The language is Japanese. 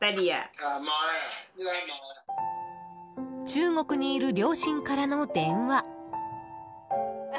中国にいる両親からの電話。